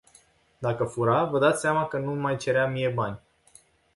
Dacă fura, vă dați seama că nu îmi mai cerea mie bani.